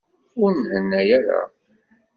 Ur nhenna ara.